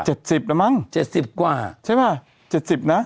เจ็ดสิบละมั้งใช่มั้ยซักอย่างน่าเจ็ดสิบนะ